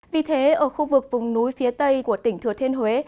vì thế ở khu vực vùng núi phía tây của tỉnh thừa thiên huế